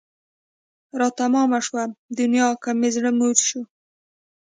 را تمامه شوه دنیا که مې زړه موړ شو